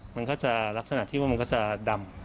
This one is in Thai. มันก็จะลักษณะที่ว่ามันก็จะดำ